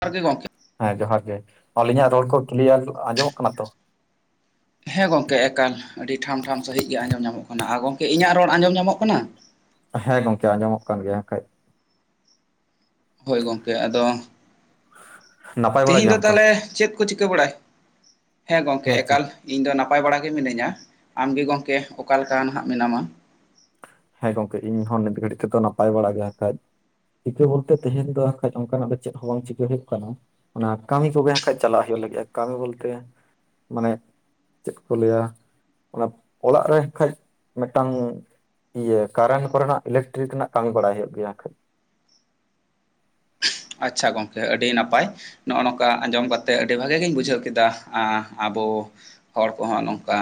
ᱡᱚᱦᱟᱨ ᱜᱮ ᱜᱚᱢᱠᱮ ᱦᱮᱸ ᱡᱚᱦᱟᱨ ᱜᱮ ᱟᱹᱞᱤᱧᱟᱜ ᱨᱚᱲ ᱠᱚ ᱠᱞᱤᱭᱟᱨ ᱟᱸᱡᱚᱢᱚᱜ ᱠᱟᱱᱟ ᱛᱚ ᱦᱮᱸ ᱜᱚᱢᱠᱮ ᱮᱠᱟᱞ ᱟᱹᱰᱤ ᱴᱷᱟᱢ ᱴᱷᱟᱢ ᱥᱟᱹᱦᱤᱡ ᱜᱮ ᱟᱸᱡᱚᱢ ᱧᱟᱢᱚᱜ ᱠᱟᱱᱟ ᱟᱨ ᱜᱚᱢᱠᱮ ᱤᱧᱟᱹᱜ ᱨᱚᱲ ᱟᱸᱡᱚᱢ ᱧᱟᱢᱚᱜ ᱠᱟᱱᱟ ᱦᱮᱸ ᱜᱚᱢᱠᱮ ᱟᱸᱡᱚᱢᱚᱜ ᱠᱟᱱ ᱜᱮᱭᱟ ᱮᱱᱠᱷᱟᱡ ᱦᱳᱭ ᱜᱚᱢᱠᱮ ᱟᱫᱚ ᱱᱟᱯᱟᱭ ᱵᱟᱲᱟ ᱛᱮᱦᱮᱧ ᱫᱚ ᱜᱮᱭᱟᱢ ᱛᱚ? ᱛᱟᱦᱚᱞᱮ ᱪᱮᱫ ᱠᱚ ᱪᱤᱠᱟᱹ ᱵᱟᱲᱟᱭ ᱦᱮᱸ ᱜᱚᱢᱠᱮ ᱮᱠᱟᱞ ᱤᱧ ᱫᱚ ᱱᱟᱯᱟᱭ ᱵᱟᱲᱟ ᱜᱮ ᱢᱤᱱᱟᱹᱧᱟ ᱟᱢ ᱜᱮ ᱜᱚᱢᱠᱮ ᱚᱠᱟ ᱞᱮᱠᱟ ᱱᱟᱦᱟᱜ ᱢᱮᱱᱟᱢᱟ? ᱦᱮᱸ ᱜᱚᱢᱠᱮ ᱤᱧᱦᱚᱸ ᱱᱤᱛ ᱜᱷᱟᱹᱲᱤᱡ ᱛᱮᱫᱚ ᱱᱟᱯᱟᱭ ᱵᱟᱲᱟ ᱜᱮ ᱮᱱᱠᱷᱟᱡ ᱪᱤᱠᱟᱹ ᱵᱚᱞᱛᱮ ᱛᱮᱦᱮᱧ ᱫᱚ ᱮᱱᱠᱷᱟᱱ ᱚᱱᱠᱟᱱᱟᱜ ᱫᱚ ᱪᱮᱫ ᱦᱚᱸ ᱵᱟᱝ ᱪᱤᱠᱟᱹ ᱦᱩᱭᱩᱜ ᱠᱟᱱᱟ ᱾ ᱚᱱᱟ ᱠᱟᱹᱢᱤ ᱠᱚᱜᱮ ᱮᱱᱠᱷᱟᱡ ᱪᱟᱞᱟᱜ ᱦᱩᱭᱩᱜ ᱞᱟᱹᱜᱤᱫᱼᱟ ᱠᱟᱹᱢᱤ ᱵᱚᱞᱛᱮ ᱢᱟᱱᱮ ᱪᱮᱫ ᱠᱚ ᱞᱟᱹᱭᱟ ᱚᱱᱟ ᱚᱲᱟᱜ ᱨᱮ ᱠᱷᱟᱱ ᱢᱤᱫᱴᱟᱝ ᱤᱭᱟᱹ ᱠᱟᱨᱮᱱᱴ ᱠᱚᱨᱮᱱᱟᱜ ᱤᱞᱮᱠᱴᱨᱤᱠ ᱨᱮᱱᱟᱜ ᱠᱟᱹᱢᱤ ᱵᱟᱲᱟᱭ ᱦᱩᱭᱩᱜ ᱜᱮᱭᱟ᱾ ᱟᱪᱪᱷᱟ ᱜᱚᱢᱠᱮ ᱟᱹᱰᱤ ᱱᱟᱯᱟᱭ ᱱᱚᱜᱼᱚᱭ ᱱᱚᱝᱠᱟ ᱟᱸᱡᱚᱢ ᱠᱟᱛᱮᱜ ᱟᱹᱰᱤ ᱵᱷᱟᱜᱮ ᱜᱤᱧ ᱵᱩᱡᱷᱟᱹᱣ ᱠᱮᱫᱟ ᱟᱵᱚ ᱦᱚᱲ ᱠᱚᱦᱚᱸ ᱱᱚᱝᱠᱟ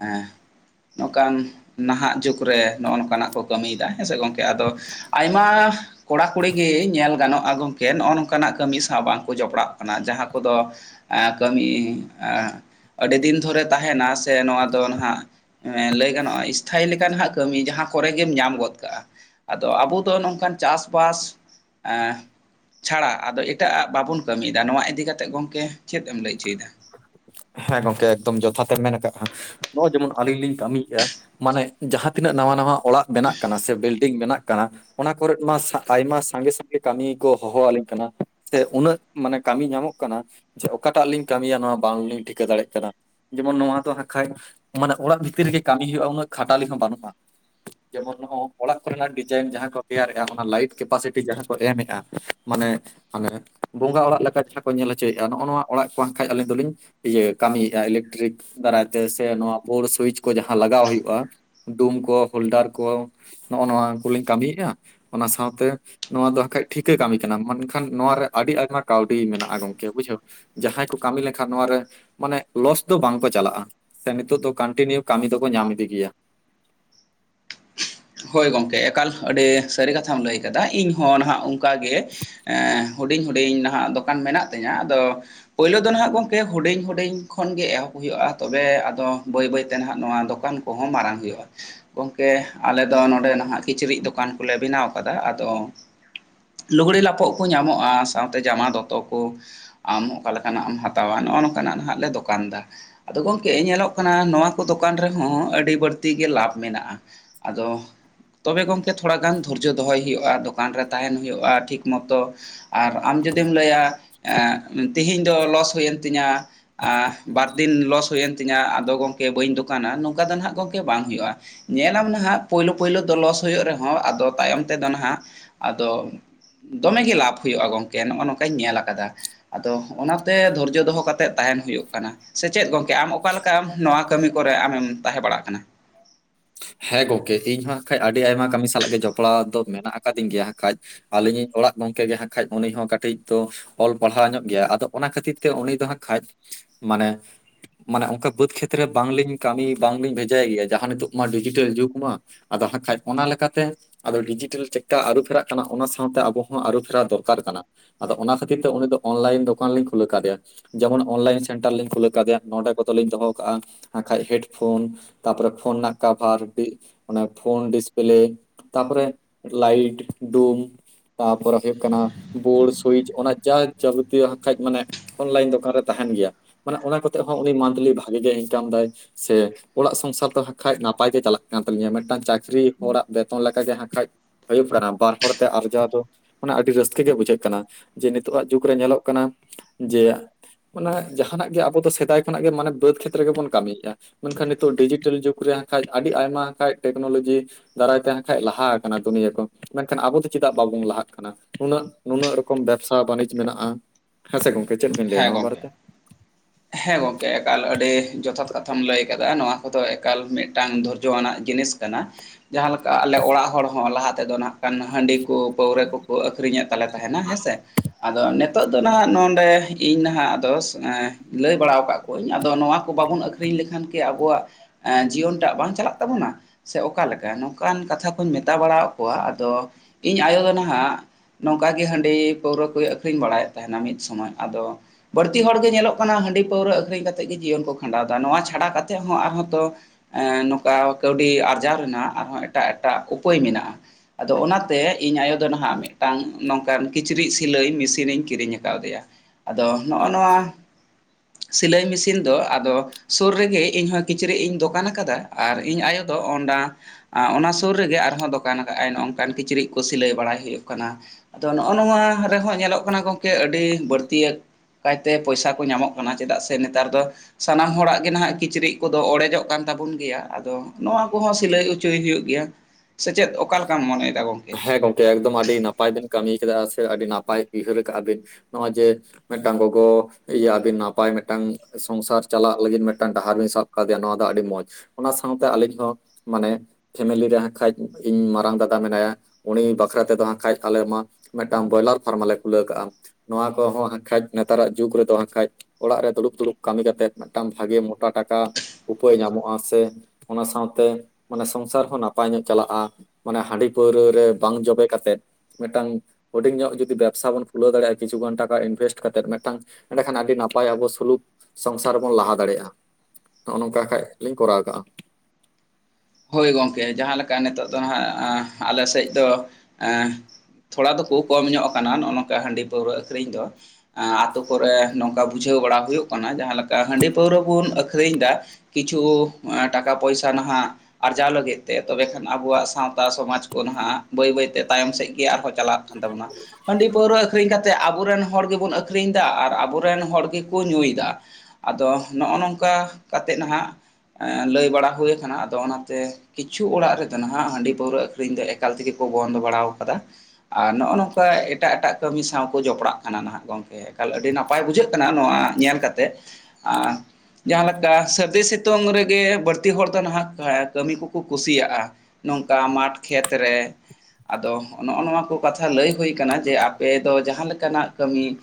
ᱦᱮᱸ ᱱᱚᱝᱠᱟᱱ ᱱᱟᱦᱟᱜ ᱡᱩᱜᱽ ᱨᱮ ᱱᱚᱜᱼᱚᱭ ᱱᱚᱝᱠᱟᱱᱟᱜ ᱠᱚ ᱠᱟᱹᱢᱤᱭᱮᱫᱟ ᱦᱮᱸ ᱥᱮ ᱜᱚᱢᱠᱮ ᱟᱫᱚ ᱟᱭᱢᱟ ᱠᱚᱲᱟ ᱠᱩᱲᱤ ᱜᱮ ᱧᱮᱞ ᱜᱟᱱᱚᱜᱼᱟ ᱜᱚᱢᱠᱮ ᱱᱚᱜᱼᱚᱭ ᱱᱚᱝᱠᱟᱱᱟᱜ ᱠᱟᱹᱢᱤ ᱥᱟᱶ ᱵᱟᱝᱠᱚ ᱡᱚᱯᱚᱲᱟᱜ ᱠᱟᱱᱟ ᱡᱟᱦᱟᱸ ᱠᱚᱫᱚ ᱮ ᱠᱟᱹᱢᱤ ᱟᱹᱰᱤ ᱫᱤᱱ ᱫᱷᱚᱨᱮ ᱛᱟᱦᱮᱱᱟ ᱥᱮ ᱱᱚᱣᱟ ᱫᱚ ᱱᱟᱦᱟᱜ ᱞᱟᱹᱭ ᱜᱟᱱᱚᱜᱼᱟ ᱤᱥᱛᱷᱟᱭᱤ ᱞᱮᱠᱟ ᱦᱟᱸᱜ ᱠᱟᱹᱢᱤ ᱡᱟᱦᱟᱸ ᱠᱚᱨᱮ ᱜᱮᱢ ᱧᱟᱢ ᱜᱚᱫ ᱠᱟᱜᱼᱟ ᱟᱫᱚ ᱟᱵᱚ ᱫᱚ ᱱᱚᱝᱠᱟᱱ ᱪᱟᱥᱵᱟᱥ ᱮᱻ ᱪᱷᱟᱲᱟ ᱟᱫᱚ ᱮᱴᱟᱜ ᱟᱜ ᱵᱟᱵᱚᱱ ᱠᱟᱹᱢᱤᱭᱮᱫᱟ ᱱᱚᱣᱟ ᱤᱫᱤ ᱠᱟᱛᱮᱫ ᱜᱚᱢᱠᱮ ᱪᱮᱫ ᱮᱢ ᱞᱟᱹᱭ ᱚᱪᱚᱭᱮᱫᱟ? ᱦᱮᱸ ᱜᱚᱢᱠᱮ ᱮᱠᱫᱚᱢ ᱡᱚᱛᱷᱟᱛ ᱛᱮᱢ ᱢᱮᱱ ᱟᱠᱟᱫᱼᱟ ᱱᱚᱜᱼᱚᱭ ᱡᱮᱢᱚᱱ ᱟᱹᱞᱤᱧ ᱞᱤᱧ ᱠᱟᱹᱢᱤᱭᱮᱫᱼᱟ ᱢᱟᱱᱮ ᱡᱟᱦᱟᱸ ᱛᱤᱱᱟᱹᱜ ᱱᱟᱣᱟ ᱱᱟᱣᱟ ᱚᱲᱟᱜ ᱵᱮᱱᱟᱜ ᱠᱟᱱᱟ ᱥᱮ ᱵᱤᱞᱰᱤᱝ ᱵᱮᱱᱟᱜ ᱠᱟᱱᱟ ᱚᱱᱟ ᱠᱚᱨᱮᱜ ᱢᱟ ᱟᱭᱢᱟ ᱥᱟᱸᱜᱮ ᱥᱟᱸᱜᱮ ᱠᱟᱹᱢᱤ ᱠᱚ ᱦᱚᱦᱚ ᱟᱹᱞᱤᱧ ᱠᱟᱱᱟ ᱥᱮ ᱩᱱᱟᱹᱜ ᱢᱟᱱᱮ ᱠᱟᱹᱢᱤ ᱧᱟᱢᱚᱜ ᱠᱟᱱᱟ ᱡᱮ ᱚᱠᱟᱴᱟᱜ ᱞᱤᱧ ᱠᱟᱹᱢᱤᱭᱟ ᱱᱚᱣᱟ ᱵᱟᱝᱞᱤᱧ ᱴᱷᱤᱠᱟᱹ ᱫᱟᱲᱭᱟᱜ ᱠᱟᱱᱟ ᱡᱮᱢᱚᱱ ᱱᱚᱣᱟ ᱫᱚ ᱦᱟᱸᱠᱷᱟᱡ ᱢᱟᱱᱮ ᱚᱲᱟᱜ ᱵᱷᱤᱛᱤᱨ ᱨᱮᱜᱮ ᱠᱟᱹᱢᱤ ᱦᱩᱭᱩᱜᱼᱟ ᱩᱱᱟᱹᱜ ᱠᱷᱟᱴᱟᱞᱤ ᱦᱚᱸ ᱵᱟᱹᱱᱩᱜᱼᱟ ᱡᱮᱢᱚᱱ ᱚᱲᱟᱜ ᱠᱚᱨᱮᱱᱟᱜ ᱰᱤᱡᱟᱭᱤᱱ ᱡᱟᱦᱟᱸ ᱠᱚ ᱛᱮᱭᱟᱨᱮᱜᱼᱟ ᱚᱱᱟ ᱞᱟᱭᱤᱴ ᱠᱮᱯᱟᱥᱤᱴᱤ ᱡᱟᱦᱟᱸ ᱠᱚ ᱮᱢᱮᱜᱼᱟ ᱢᱟᱱᱮ ᱦᱟᱱᱮ ᱵᱚᱸᱜᱟ ᱚᱲᱟᱜ ᱞᱮᱠᱟ ᱡᱟᱦᱟᱸ ᱠᱚ ᱧᱮᱞ ᱦᱚᱪᱚᱭᱮᱜᱼᱟ ᱱᱚᱜᱼᱚ ᱱᱚᱣᱟ ᱚᱲᱟᱜ ᱠᱚ ᱦᱟᱸᱜᱠᱷᱟᱡ ᱟᱹᱞᱤᱧ ᱫᱚᱞᱤᱧ ᱤᱭᱟᱹ ᱠᱟᱹᱢᱤᱭᱮᱫᱟ ᱤᱞᱮᱠᱴᱨᱤᱠ ᱫᱟᱨᱟᱭᱛᱮ ᱥᱮ ᱱᱚᱣᱟ ᱵᱳᱨᱰ ᱥᱩᱭᱤᱪ ᱠᱚ ᱡᱟᱦᱟᱸ ᱞᱟᱜᱟᱣ ᱦᱩᱭᱩᱜᱼᱟ ᱰᱩᱢ ᱠᱚ ᱦᱳᱞᱰᱟᱨ ᱠᱚ ᱱᱚᱜᱼᱚ ᱱᱚᱣᱟ ᱠᱚᱞᱤᱧ ᱠᱟᱹᱢᱤᱭᱮᱜᱼᱟ ᱚᱱᱟ ᱥᱟᱶᱛᱮ ᱱᱚᱣᱟ ᱫᱚ ᱦᱟᱠᱷᱟᱡ ᱴᱷᱤᱠᱟᱹ ᱠᱟᱹᱢᱤ ᱠᱟᱱᱟ ᱢᱮᱱᱠᱷᱟᱱ ᱱᱚᱣᱟ ᱨᱮ ᱟᱹᱰᱤ ᱟᱭᱢᱟ ᱠᱟᱹᱣᱰᱤ ᱢᱮᱱᱟᱜᱼᱟ ᱜᱚᱢᱠᱮ ᱵᱩᱡᱷᱟᱹᱣ ᱡᱟᱦᱟᱸᱭ ᱠᱚ ᱠᱟᱹᱢᱤ ᱞᱮᱠᱷᱟᱱ ᱱᱚᱣᱟᱨᱮ ᱢᱟᱱᱮ ᱞᱚᱥ ᱫᱚ ᱵᱟᱝ ᱠᱚ ᱪᱟᱞᱟᱜᱼᱟ᱾ ᱥᱮ ᱱᱤᱛᱚᱜ ᱫᱚ ᱠᱟᱱᱴᱤᱱᱤᱭᱩ ᱠᱟᱹᱢᱤ ᱫᱚᱠᱚ ᱧᱟᱢ ᱤᱫᱤ ᱜᱮᱭᱟ ᱦᱳᱭ ᱜᱚᱢᱠᱮ ᱮᱠᱟᱞ ᱟᱹᱰᱤ ᱥᱟᱹᱨᱤ ᱠᱟᱛᱷᱟᱢ ᱞᱟᱹᱭ ᱟᱠᱟᱫᱟ ᱤᱧᱦᱚᱸ ᱱᱟᱦᱟᱜ ᱚᱱᱠᱟ ᱜᱮ ᱮᱼ ᱦᱩᱰᱤᱧ ᱦᱩᱰᱤᱧ ᱱᱟᱦᱟᱜ ᱫᱚᱠᱟᱱ ᱢᱮᱱᱟᱜ ᱛᱤᱧᱟ ᱟᱫᱚ ᱯᱳᱭᱞᱳ ᱫᱚ ᱱᱟᱦᱟᱜ ᱜᱚᱝᱠᱮ ᱦᱩᱰᱤᱧ ᱦᱩᱰᱤᱧ ᱠᱷᱚᱱ ᱜᱮ ᱮᱦᱚᱵ ᱦᱩᱭᱩᱜᱼᱟ ᱛᱚᱵᱮ ᱟᱫᱚ ᱵᱟᱹᱭ ᱵᱟᱹᱭ ᱛᱮ ᱱᱟᱦᱟᱜ ᱱᱚᱣᱟ ᱫᱚᱠᱟᱱ ᱠᱚᱦᱚᱸ ᱢᱟᱨᱟᱝ ᱦᱩᱭᱩᱜᱼᱟ ᱜᱚᱢᱠᱮ, ᱟᱞᱮ ᱫᱚ ᱱᱚᱸᱰᱮ ᱱᱟᱦᱟᱜ ᱠᱤᱪᱨᱤᱡ ᱫᱚᱠᱟᱱ ᱠᱚᱞᱮ ᱵᱮᱱᱟᱣ ᱠᱟᱫᱟ ᱟᱫᱚ ᱞᱩᱜᱽᱲᱤ ᱞᱟᱯᱚᱜ ᱠᱚ ᱧᱟᱢᱚᱜᱼᱟ ᱥᱟᱶᱛᱮ ᱡᱟᱢᱟ ᱫᱚᱛᱚ ᱠᱚ, ᱟᱢ ᱚᱠᱟ ᱞᱮᱠᱟᱱᱟᱜ ᱮᱢ ᱦᱟᱛᱟᱣᱟ ᱱᱚᱜᱼᱚ ᱱᱚᱝᱠᱟᱱᱟᱜ ᱦᱟᱸᱜ ᱞᱮ ᱫᱚᱠᱟᱱ ᱫᱟ, ᱟᱫᱚ ᱜᱚᱢᱠᱮ ᱧᱮᱞᱚᱜ ᱠᱟᱱᱟ ᱱᱚᱣᱟ ᱠᱚ ᱫᱚᱠᱟᱱ ᱨᱮᱦᱚᱸ ᱟᱹᱰᱤ ᱵᱟᱹᱲᱛᱤ ᱜᱮ ᱞᱟᱵᱷ ᱢᱮᱱᱟᱜᱼᱟ, ᱟᱫᱚ ᱛᱚᱵᱮ ᱜᱚᱢᱠᱮ ᱛᱷᱚᱲᱟ ᱜᱟᱱ ᱫᱷᱳᱨᱡᱚ ᱫᱚᱦᱚᱭ ᱦᱩᱭᱩᱜᱼᱟ ᱫᱚᱠᱟᱱ ᱨᱮ ᱛᱟᱦᱮᱸᱱ ᱦᱩᱭᱩᱜᱼᱟ ᱴᱷᱤᱠ ᱢᱚᱛᱚ, ᱟᱨ ᱟᱢ ᱡᱩᱫᱤᱢ ᱞᱟᱹᱭᱟ ᱛᱤᱦᱤᱧ ᱫᱚ ᱞᱚᱥ ᱦᱩᱭᱮᱱ ᱛᱤᱧᱟ ᱟ ᱵᱟᱨᱫᱤᱱ ᱞᱚᱥ ᱦᱩᱭᱮᱱ ᱛᱤᱧᱟᱹ ᱟᱫᱚ ᱜᱚᱢᱠᱮ ᱵᱟᱹᱧ ᱫᱚᱠᱟᱱᱟ ᱱᱚᱝᱠᱟ ᱫᱚ ᱦᱟᱸᱜ ᱜᱚᱢᱠᱮ ᱵᱟᱝ ᱦᱩᱭᱩᱜᱼᱟ, ᱧᱮᱞᱟᱢ ᱱᱟᱦᱟᱜ ᱯᱳᱭᱞᱳ ᱯᱳᱭᱞᱳ ᱫᱚ ᱞᱚᱥ ᱦᱩᱭᱩᱜ ᱨᱮᱦᱚᱸ ᱟᱫᱚ ᱛᱟᱭᱚᱢ ᱛᱮᱫᱚ ᱱᱟᱦᱟᱜ ᱟᱫᱚ, ᱫᱚᱢᱮ ᱜᱮ ᱞᱟᱵᱷ ᱦᱳᱭᱳᱜᱼᱟ ᱜᱚᱢᱠᱮ ᱱᱚᱜᱼᱚ ᱱᱚᱝᱠᱟᱧ ᱧᱮᱞ ᱠᱟᱫᱟ, ᱟᱫᱚ ᱚᱱᱟᱛᱮ ᱫᱷᱳᱨᱡᱚ ᱫᱚᱦᱚ ᱠᱟᱛᱮᱫ ᱛᱟᱦᱮᱸᱱ ᱦᱳᱭᱳᱜ ᱠᱟᱱᱟ, ᱥᱮ ᱪᱮᱫ ᱜᱚᱝᱠᱮ ᱟᱢ ᱚᱠᱟ ᱞᱮᱠᱟᱢ ᱱᱚᱣᱟ ᱠᱟᱹᱢᱤ ᱠᱚᱨᱮ ᱟᱢᱮᱢ ᱛᱟᱦᱮᱸ ᱵᱟᱲᱟ ᱠᱟᱱᱟ, ᱦᱮᱸ ᱜᱚᱢᱠᱮ ᱤᱧ ᱦᱟᱸᱜ ᱠᱷᱟᱡ ᱟᱹᱰᱤ ᱟᱭᱢᱟ ᱠᱟᱹᱢᱤ ᱥᱟᱞᱟᱜ ᱜᱮ ᱡᱚᱯᱲᱟᱣ ᱫᱚ ᱢᱮᱱᱟᱜ ᱠᱟᱫᱤᱧ ᱜᱮᱭᱟ ᱠᱷᱟᱡ, ᱟᱹᱞᱤᱧᱤᱧ ᱚᱲᱟᱜ ᱜᱚᱢᱠᱮ ᱜᱮ ᱦᱟᱸᱜ ᱠᱷᱟᱡ ᱩᱱᱤ ᱦᱚᱸ ᱠᱟᱹᱴᱤᱡ ᱫᱚ ᱚᱞ ᱯᱟᱲᱦᱟᱣ ᱧᱚᱜ ᱜᱮᱭᱟ ᱟᱫᱚ ᱚᱱᱟ ᱠᱷᱟᱹᱛᱤᱨ ᱛᱮ ᱩᱱᱤ ᱫᱚ ᱦᱟᱸᱜ ᱠᱷᱟᱡ ᱢᱟᱱᱮ᱾ ᱢᱟᱱᱮ ᱚᱱᱠᱟ ᱵᱟᱹᱫᱽ ᱠᱷᱮᱛᱨᱮ ᱵᱟᱝᱞᱤᱧ ᱠᱟᱹᱢᱤ ᱵᱟᱝᱞᱤᱧ ᱵᱷᱮᱡᱟᱭ ᱜᱮᱭᱟ ᱡᱟᱦᱟᱸ ᱱᱤᱛᱚᱜ ᱢᱟ ᱰᱤᱡᱤᱴᱮᱞ ᱡᱩᱜᱽ ᱢᱟ, ᱟᱫᱚ ᱦᱟᱸᱜ ᱠᱷᱟᱡ ᱚᱱᱟ ᱞᱮᱠᱟᱛᱮ, ᱟᱫᱚ ᱰᱤᱡᱤᱴᱮᱞ ᱪᱮᱜᱠᱟ ᱟᱹᱨᱩ ᱯᱷᱮᱨᱟᱜ ᱠᱟᱱᱟ ᱚᱱᱟ ᱥᱟᱶᱛᱮ ᱟᱵᱚ ᱦᱚᱸ ᱟᱹᱨᱩ ᱯᱷᱮᱨᱟᱣ ᱫᱚᱨᱠᱟᱨ ᱠᱟᱱᱟ, ᱟᱫᱚ ᱚᱱᱟ ᱠᱷᱟᱹᱛᱤᱨ ᱛᱮ ᱩᱱᱤ ᱫᱚ ᱚᱱᱞᱟᱭᱤᱱ ᱫᱚᱠᱟᱱ ᱞᱤᱧ ᱠᱷᱩᱞᱟᱹᱣ ᱠᱟᱣᱫᱮᱭᱟ, ᱡᱮᱢᱚᱱ ᱚᱱᱞᱟᱭᱤᱱ ᱥᱮᱱᱴᱟᱨ ᱞᱤᱧ ᱠᱷᱩᱞᱟᱹᱣ ᱠᱟᱫᱮᱭᱟ ᱱᱚᱸᱰᱮ ᱠᱚᱫᱚᱞᱤᱧ ᱫᱚᱦᱚ ᱠᱟᱜᱼᱟ ᱦᱟᱜᱠᱷᱟᱡ ᱦᱮᱰᱯᱷᱳᱱ, ᱛᱟᱯᱚᱨᱮ ᱯᱷᱳᱱ ᱠᱟᱵᱷᱟᱨ ᱢᱟᱱᱮ ᱯᱷᱳᱱ ᱰᱤᱥᱯᱞᱮ ᱛᱟᱨᱯᱚᱨᱮ ᱞᱟᱭᱤᱴ ᱰᱩᱢ ᱛᱟᱯᱚᱨᱮ ᱦᱩᱭᱩᱜ ᱠᱟᱱᱟ ᱵᱳᱨᱰ ᱥᱩᱭᱤᱪ ᱚᱱᱟ ᱡᱟ ᱡᱟᱵᱚᱛᱤᱭᱚ ᱦᱟᱸᱜ ᱠᱷᱟᱡ ᱢᱟᱱᱮ, ᱚᱱᱞᱟᱭᱤᱱ ᱫᱚᱠᱟᱱ ᱨᱮ ᱛᱟᱦᱮᱸᱱ ᱜᱮᱭᱟ, ᱢᱟᱱᱮ ᱚᱱᱟ ᱠᱚᱛᱮᱜ ᱦᱚᱸ ᱩᱱᱤ ᱢᱟᱱᱛᱷᱞᱤ ᱵᱷᱟᱜᱮ ᱜᱮᱭ ᱤᱱᱠᱟᱢ ᱫᱟᱭ ᱥᱮ ᱚᱲᱟᱜ ᱥᱚᱝᱥᱟᱨ ᱫᱚ, ᱠᱷᱟᱡ ᱱᱟᱯᱟᱭ ᱜᱮ ᱪᱟᱞᱟᱜ ᱠᱟᱱ ᱛᱟᱞᱤᱧᱟ ᱢᱤᱫᱴᱟᱝ ᱪᱟᱹᱠᱨᱤ ᱦᱚᱲᱟᱜ ᱵᱮᱛᱚᱱ ᱞᱮᱠᱟ ᱜᱮ ᱦᱟᱸᱜ ᱠᱷᱟᱡ, ᱦᱭᱳᱜ ᱠᱟᱱᱟ ᱵᱟᱨ ᱦᱚᱲᱛᱮ ᱟᱨᱡᱟᱣ ᱫᱚ ᱢᱟᱱᱮ ᱟᱹᱰᱤ ᱨᱟᱹᱥᱠᱟᱹ ᱜᱮ ᱵᱩᱡᱷᱟᱹᱜ ᱠᱟᱱᱟ, ᱡᱮ ᱱᱤᱛᱳᱜᱟᱜ ᱡᱩᱜᱽᱨᱮ ᱧᱮᱞᱚᱜ ᱠᱟᱱᱟ ᱡᱮ ᱚᱱᱟ ᱡᱟᱦᱟᱱᱟᱜ ᱜᱮ ᱟᱵᱚ ᱫᱚ ᱥᱮᱫᱟᱭ ᱠᱷᱚᱱᱟᱜ ᱜᱮ ᱢᱟᱱᱮ ᱵᱟᱹᱫᱽ ᱠᱷᱮᱛ ᱨᱮᱜᱮ ᱵᱚᱱ ᱠᱟᱹᱢᱤᱭᱮᱜᱼᱟ ᱢᱮᱱᱠᱷᱟᱱ ᱱᱤᱛᱚᱜ ᱰᱤᱡᱤᱴᱮᱞ ᱡᱩᱜᱽ ᱯᱩᱠᱷᱨᱤ ᱦᱟᱸᱠᱷᱟᱡ ᱟᱹᱰᱤ ᱟᱭᱢᱟ ᱦᱟᱸᱜ ᱠᱷᱟᱡ ᱴᱮᱠᱱᱳᱞᱚᱡᱤ ᱫᱟᱨᱟᱭ ᱛᱮ ᱦᱟᱸᱜ ᱠᱷᱟᱡ ᱞᱟᱦᱟ ᱠᱟᱱᱟ ᱫᱩᱱᱤᱭᱟᱹ ᱠᱚ ᱢᱮᱱᱠᱷᱟᱱ ᱟᱵᱚ ᱫᱚ ᱪᱮᱫᱟᱜ ᱵᱟᱵᱚᱱ ᱞᱟᱦᱟᱜ ᱠᱟᱱᱟ ᱱᱩᱱᱟᱹᱜ ᱱᱩᱱᱟᱹᱜ ᱨᱚᱠᱚᱢ ᱵᱮᱵᱽᱥᱟ ᱵᱟᱹᱱᱤᱡᱽ ᱢᱮᱱᱟᱜᱼᱟ, ᱦᱮᱸ ᱥᱮ ᱜᱳᱢᱠᱮ ᱪᱮᱫ ᱵᱤᱱ ᱞᱟᱹᱭᱟ ᱦᱮᱸ ᱱᱚᱣᱟ ᱜᱚᱢᱠᱮ ᱵᱟᱨᱮᱛᱮ, ᱦᱮᱸ ᱜᱚᱝᱠᱮ ᱮᱠᱟᱞ ᱟᱹᱰᱤ ᱡᱚᱛᱷᱟᱛ ᱠᱟᱛᱷᱟᱢ ᱞᱟᱹᱭ ᱠᱟᱫᱟ ᱱᱚᱣᱟ ᱠᱚᱫᱚ ᱮᱠᱟᱞ ᱢᱤᱫᱴᱟᱝ ᱫᱷᱳᱨᱡᱚ ᱟᱱᱟᱜ ᱡᱤᱱᱤᱥ ᱠᱟᱱᱟ ᱡᱟᱦᱟᱸ ᱞᱮᱠᱟ ᱟᱞᱮ ᱚᱲᱟᱜ ᱦᱚᱲ ᱦᱚᱸ ᱞᱟᱦᱟ ᱛᱮᱫᱚ ᱱᱟᱜ ᱠᱷᱟᱱ ᱦᱟᱺᱰᱤ ᱠᱚ ᱯᱟᱹᱣᱨᱟᱹ ᱠᱚᱠᱚ ᱟᱹᱠᱷᱨᱤᱧᱮᱜ ᱛᱟᱞᱮ ᱛᱟᱦᱮᱸᱱᱟ ᱦᱮᱸᱥᱮ ᱟᱫᱚ ᱱᱤᱛᱚᱜ ᱫᱚ ᱱᱟᱦᱟᱜ ᱱᱚᱸᱰᱮ, ᱤᱧ ᱱᱟᱦᱟᱜ ᱟᱫᱚ ᱞᱟᱹᱭ ᱵᱟᱲᱟ ᱠᱟᱜ ᱠᱚᱣᱟᱹᱧ ᱟᱫᱚ ᱱᱚᱣᱟ ᱠᱚ ᱵᱟᱵᱚᱱ ᱟᱹᱠᱷᱨᱤᱧ ᱞᱮᱠᱷᱟᱱ ᱠᱤ ᱟᱵᱚᱣᱟᱜ ᱮᱸ ᱡᱤᱭᱚᱱ ᱴᱟᱜ ᱵᱟᱝ ᱪᱟᱞᱟᱜ ᱛᱟᱵᱚᱱᱟ? ᱥᱮ ᱚᱠᱟ ᱞᱮᱠᱟ ᱱᱚᱝᱠᱟᱱ ᱠᱟᱛᱷᱟ ᱠᱚᱧ ᱢᱮᱛᱟ ᱵᱟᱲᱟ ᱟᱠᱚᱣᱟ ᱟᱫᱚ ᱤᱧ ᱟᱭᱳ ᱫᱚ ᱱᱟᱦᱟᱜ ᱱᱚᱝᱠᱟ ᱜᱮ ᱦᱟᱺᱰᱤ ᱯᱟᱹᱣᱨᱟᱹ ᱠᱚ ᱟᱹᱠᱷᱨᱤᱧ ᱵᱟᱲᱟᱭᱮᱫ ᱛᱟᱦᱮᱸᱱᱟ ᱢᱤᱫ ᱥᱚᱢᱚᱭ ᱟᱫᱚ, ᱵᱟᱹᱲᱛᱤ ᱦᱚᱲᱜᱮ ᱧᱮᱞᱚᱜ ᱠᱟᱱᱟ ᱦᱟᱺᱰᱤ ᱯᱟᱹᱣᱨᱟᱹ ᱟᱹᱷᱨᱤᱧ ᱠᱟᱛᱮᱜ ᱜᱮ ᱡᱤᱭᱚᱱ ᱠᱚ ᱠᱷᱟᱸᱰᱟᱣ ᱫᱟ ᱱᱚᱣᱟ ᱪᱷᱟᱰᱟ ᱠᱟᱛᱮᱜ ᱦᱚᱸ ᱟᱨᱦᱚᱸ ᱛᱚ, ᱱᱚᱝᱠᱟ ᱠᱟᱹᱣᱰᱤ ᱟᱨᱡᱟᱣ ᱨᱮᱱᱟᱜ ᱟᱨᱦᱚᱸ ᱮᱴᱟᱜ ᱮᱴᱟᱜ ᱩᱯᱟᱹᱭ ᱢᱮᱱᱟᱜᱼᱟ᱾ ᱟᱫᱚ ᱚᱱᱟᱛᱮ ᱤᱧ ᱟᱭᱳ ᱫᱚ ᱱᱟᱦᱟᱜ ᱢᱤᱫᱴᱟᱝ ᱱᱚᱝᱠᱟᱱ ᱠᱤᱪᱨᱤᱡ ᱥᱤᱞᱟᱹᱭ ᱢᱮᱥᱤᱱᱤᱧ ᱠᱤᱨᱤᱧ ᱠᱟᱣᱫᱮᱭᱟ᱾ ᱟᱫᱚ ᱱᱚᱜᱼᱚ ᱱᱚᱣᱟ ᱥᱤᱞᱟᱹᱭ ᱢᱤᱥᱤᱱ ᱫᱚ ᱟᱫᱚ, ᱥᱩᱨ ᱨᱮᱜᱮ ᱤᱧᱦᱚᱸ ᱠᱤᱪᱨᱤᱡ ᱤᱧ ᱫᱚᱠᱟᱱ ᱠᱟᱫᱟ ᱟᱨ ᱤᱧ ᱟᱭᱳ ᱫᱚ ᱚᱱᱟ ᱚᱱᱟ ᱥᱩᱨ ᱨᱮᱜᱮ ᱟᱨᱦᱚᱸ ᱫᱚᱠᱟᱱ ᱠᱟᱜᱼᱟᱭ ᱱᱚᱜᱝᱠᱟᱱ ᱠᱤᱪᱨᱤᱡ ᱠᱚ ᱥᱤᱞᱟᱹᱭ ᱵᱟᱲᱟᱭ ᱦᱩᱭᱩᱜ ᱠᱟᱱᱟ᱾ ᱟᱫᱚ ᱱᱚᱜᱼᱚ ᱱᱚᱣᱟ ᱨᱮᱦᱚᱸ ᱧᱮᱞᱚᱜ ᱠᱟᱱᱟ ᱜᱚᱝᱠᱮ ᱟᱹᱰᱤ ᱵᱟᱹᱲᱛᱤ ᱛᱤᱭᱟᱹᱜ ᱠᱟᱭᱛᱮ ᱯᱚᱭᱥᱟ ᱠᱚ ᱧᱟᱢᱚᱜ ᱠᱟᱱᱟ ᱪᱮᱫᱟᱜ ᱥᱮ ᱱᱮᱛᱟᱨ ᱫᱚ ᱥᱟᱱᱟᱢ ᱦᱚᱲᱟᱜ ᱜᱮ ᱱᱟᱦᱟᱜ ᱠᱤᱪᱨᱤᱪ ᱠᱚᱫᱚ ᱚᱲᱮᱡᱚᱜ ᱠᱟᱱ ᱛᱟᱵᱚᱱ ᱜᱮᱭᱟ ᱟᱫᱚ ᱱᱚᱣᱟ ᱠᱚᱦᱚᱸ ᱥᱤᱞᱟᱹᱭ ᱦᱚᱪᱚᱭ ᱦᱩᱭᱩᱜ ᱜᱮᱭᱟ᱾ ᱥᱮ ᱪᱮᱫ ᱚᱠᱟ ᱞᱮᱠᱟᱢ ᱢᱚᱱᱮᱭᱮᱫᱟ ᱜᱚᱢᱠᱮ, ᱦᱮᱸ ᱜᱚᱢᱠᱮ ᱮᱠᱫᱚᱢ ᱟᱹᱰᱤ ᱱᱟᱯᱟᱭ ᱵᱤᱱ ᱠᱟᱹᱢᱤ ᱠᱟᱫᱟ ᱥᱮ ᱟᱹᱰᱤ ᱱᱟᱯᱟᱭ ᱩᱭᱦᱟᱹᱨ ᱟᱠᱟᱜᱼᱟ ᱵᱤᱱ ᱱᱚᱜᱼᱚᱭ ᱡᱮ ᱢᱮᱫᱴᱟᱝ ᱜᱚᱜᱚ ᱾ ᱤᱭᱟᱹ ᱟᱹᱰᱤ ᱱᱟᱯᱟᱭ ᱢᱤᱫᱴᱟᱝ ᱥᱚᱝᱥᱟᱨ ᱪᱟᱞᱟᱜ ᱞᱟᱹᱜᱤᱫ ᱢᱤᱫᱴᱟᱝ ᱰᱟᱦᱟᱨ ᱵᱤᱱ ᱥᱟᱵ ᱠᱟᱫᱮᱭᱟ ᱱᱚᱣᱟ ᱫᱚ ᱟᱹᱰᱤ ᱢᱚᱡ ᱾ ᱚᱱᱟ ᱥᱟᱶᱛᱮ ᱟᱹᱞᱤᱧ ᱦᱚᱸ ᱢᱟᱱᱮ ᱯᱷᱮᱢᱮᱞᱤ ᱨᱮ ᱦᱟᱜᱠᱷᱟᱡ ᱤᱧ ᱢᱟᱨᱟᱝ ᱫᱟᱫᱟ ᱢᱮᱱᱟᱭᱟ ᱾ ᱩᱱᱤ ᱵᱟᱠᱷᱨᱟ ᱛᱮᱫᱚ ᱦᱟᱸᱜ ᱠᱷᱟᱡ ᱟᱞᱮ ᱢᱟ ᱢᱮᱫᱴᱟᱝ ᱵᱚᱭᱞᱟᱨ ᱯᱷᱟᱨᱢᱟᱞᱮ ᱠᱷᱩᱞᱟᱹᱣ ᱠᱟᱜ ᱟ ᱾ ᱱᱚᱣᱟ ᱠᱚᱦᱚ ᱦᱟᱸᱜᱠᱷᱟᱡ ᱱᱮᱛᱟᱨᱟᱜ ᱡᱩᱜ ᱨᱮᱫᱚ ᱦᱟᱸᱜᱠᱷᱟᱡ ᱾ ᱚᱲᱟᱜ ᱨᱮ ᱫᱩᱲᱩᱵ ᱫᱩᱲᱩᱵ ᱠᱟᱹᱢᱤ ᱠᱟᱛᱮᱫ ᱢᱮᱫᱴᱟᱝ ᱵᱷᱟᱜᱮ ᱢᱚᱴᱟ ᱴᱟᱠᱟ ᱩᱯᱟᱹᱭ ᱧᱟᱢᱚᱜ ᱟ ᱥᱮ ᱾ ᱚᱱᱟ ᱥᱟᱶᱛᱮ ᱢᱟᱱᱮ ᱥᱚᱝᱥᱟᱨ ᱦᱚᱸ ᱱᱟᱯᱟᱭ ᱧᱚᱜ ᱪᱟᱞᱟᱜ ᱟ ᱢᱟᱱᱮ ᱦᱟᱺᱰᱤ ᱯᱟᱹᱣᱨᱟᱹ ᱾ ᱨᱮ ᱵᱟᱝ ᱡᱚᱵᱮ ᱠᱟᱛᱮᱫ ᱢᱮᱫᱴᱟᱝ ᱾ ᱦᱩᱰᱤᱧ ᱧᱚᱜ ᱡᱩᱫᱤ ᱵᱮᱯᱥᱷᱟ ᱵᱚᱱ ᱠᱷᱩᱞᱟᱹᱣ ᱫᱟᱲᱮᱭᱟᱜ ᱟ ᱠᱤᱪᱷᱩ ᱜᱟᱱ ᱴᱟᱠᱟ ᱤᱱᱵᱷᱮᱥᱴ ᱠᱟᱛᱮᱫ ᱢᱮᱫᱴᱟᱝ ᱾ ᱮᱱᱰᱮᱠᱷᱟᱱ ᱟᱹᱰᱤ ᱱᱟᱯᱟᱭ ᱟᱵᱚ ᱥᱩᱞᱩᱠ ᱥᱚᱝᱥᱟᱨ ᱵᱚᱱ ᱞᱟᱦᱟ ᱫᱟᱲᱮᱭᱟᱜ ᱟ ᱾ ᱱᱚᱜ ᱚ ᱱᱚᱝᱠᱟ ᱠᱷᱟᱡ ᱞᱤᱧ ᱠᱚᱨᱟᱣ ᱠᱟᱜ ᱟ᱾ ᱦᱳᱭ ᱜᱚᱢᱠᱮ ᱡᱟᱦᱟ ᱞᱮᱠᱟ ᱱᱤᱛᱚᱜ ᱫᱚ ᱦᱟᱸᱜ ᱟᱞᱮ ᱥᱮᱫ ᱫᱚ ᱮᱸᱻ ᱾ ᱛᱷᱚᱲᱟ ᱫᱚᱠᱚ ᱠᱚᱢ ᱧᱚᱜ ᱠᱟᱱᱟ ᱱᱚᱜ ᱚ ᱱᱚᱝᱠᱟ ᱦᱟᱺᱰᱤ ᱯᱟᱹᱣᱨᱟᱹ ᱟᱹᱠᱨᱤᱧ ᱫᱚ ᱾ ᱟᱸ ᱟᱛᱳ ᱠᱚᱨᱮ ᱱᱚᱝᱠᱟ ᱵᱩᱡᱷᱟᱹᱣ ᱵᱟᱲᱟ ᱦᱩᱭᱩᱜ ᱠᱟᱱᱟ ᱡᱟᱦᱟ ᱞᱮ ᱠᱟ ᱦᱟᱺᱰᱤ ᱯᱟᱹᱣᱨᱟᱹ ᱵᱚᱱ ᱟᱹᱠᱨᱤᱧ ᱫᱟ ᱠᱤᱪᱷᱩ ᱴᱟᱠᱟ ᱯᱚᱭᱥᱟ ᱱᱟᱦᱟᱜ ᱾ ᱟᱨᱡᱟᱣ ᱞᱟᱹᱜᱤᱫ ᱛᱮ ᱛᱚᱵᱮ ᱠᱷᱟᱱ ᱟᱵᱚᱣᱟᱜ ᱥᱟᱶᱛᱟ ᱥᱚᱢᱟᱡ ᱠᱚ ᱱᱟᱦᱟᱜ ᱵᱟᱹᱭ ᱵᱟᱹᱭᱛᱮ ᱛᱟᱭᱚᱢ ᱥᱮᱫ ᱜᱮ ᱟᱨᱦᱚ ᱪᱟᱞᱟᱜ ᱠᱟᱱ ᱛᱟᱵᱚᱱᱟ ᱦᱟᱺᱰᱤ ᱯᱟᱹᱣᱨᱟᱹ ᱟᱹᱠᱨᱤᱧ ᱠᱟᱛ ᱛᱮ ᱟᱵᱚᱨᱮᱱ ᱦᱚᱲ ᱜᱮᱵᱚᱱ ᱟᱹᱠᱨᱤᱧ ᱫᱟ ᱟᱨ ᱟᱵᱚᱨᱮᱱ ᱦᱚᱲ ᱜᱮᱠᱚ ᱧᱩᱭᱫᱟ ᱾ ᱟᱫᱚ ᱱᱚᱜ ᱚ ᱱᱚᱝᱠᱟ ᱠᱟᱛᱮᱫ ᱱᱟᱦᱟᱜ ᱞᱟᱹᱭ ᱵᱟᱲᱟ ᱦᱳᱭ ᱠᱟᱱᱟ ᱟᱫᱚ ᱚᱱᱟ ᱾ ᱛᱮ ᱠᱤᱪᱷᱩ ᱚᱲᱟᱜ ᱨᱮᱫᱚ ᱱᱟᱦᱟᱜ ᱦᱟᱺᱰᱤ ᱯᱟᱹᱣᱨᱟᱹ ᱟᱹᱠᱨᱤᱧ ᱫᱚ ᱮᱠᱟᱞ ᱛᱮᱜᱮ ᱠᱚ ᱵᱚᱱᱫ ᱵᱟᱲᱟᱣ ᱠᱟᱫᱟ ᱾ ᱟᱨ ᱱᱚᱜ ᱚ ᱱᱚᱝᱠᱟ ᱮᱴᱟᱜ ᱮᱴᱟᱜ ᱠᱟᱹᱢᱤ ᱥᱟᱶ ᱠᱚ ᱡᱚᱯᱲᱟᱜ ᱠᱟᱱᱟ ᱱᱟᱦᱟᱜ ᱜᱚᱝᱠᱮ ᱾ ᱮᱠᱟᱞ ᱟᱹᱰᱤ ᱱᱟᱯᱟᱭ ᱵᱩᱡᱷᱟᱹᱜ ᱠᱟᱱᱟ ᱱᱚᱣᱟ ᱧᱮᱞ ᱠᱟᱛᱮᱜ ᱾ ᱟᱨ ᱡᱟᱦᱟᱞᱮᱠᱟ ᱥᱟᱹᱨᱫᱤ ᱥᱤᱛᱩᱝ ᱨᱮᱜᱮ ᱵᱟᱹᱲᱛᱤ ᱦᱚᱲ ᱫᱚ ᱱᱟᱦᱟᱜ ᱠᱟᱹᱢᱤ ᱠᱩᱠᱩ ᱠᱩᱥᱤᱭᱟᱜ ᱟ ᱱᱚᱝᱠᱟ ᱢᱟᱴ ᱠᱷᱮᱛᱨᱮ ᱾ ᱟᱫᱚ ᱱᱚᱜ ᱚ ᱱᱚᱣᱟ ᱠᱚ ᱠᱟᱛᱷᱟ ᱞᱟᱹᱭ ᱦᱳᱭ ᱟᱠᱟᱱᱟ ᱡᱮ ᱟᱯᱮ ᱫᱚ ᱡᱟᱦᱟ ᱞᱮᱠᱟᱱᱟᱜ ᱾ ᱠᱟᱹᱢᱤ